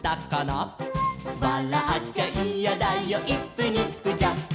「わらっちゃいやだよイップニップジャンプ」